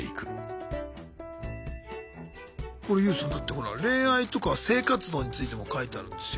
これＹＯＵさんだってほら恋愛とか性活動についても書いてあるんですよ。